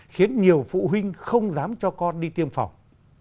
khiến nhiều phụ huynh không dám cho con đi tiêm phòng